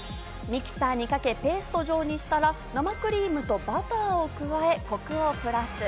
ミキサーにかけ、ペースト状にしたら、生クリームとバターを加えコクをプラス。